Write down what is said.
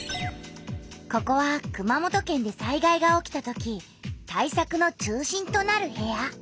ここは熊本県で災害が起きたとき対策の中心となる部屋。